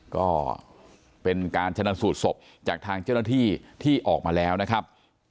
ก็เป็นการชนะสูตรศพจากทางเจ้าหน้าที่ที่ออกมาแล้วนะครับ